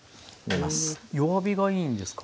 弱火がいいんですか？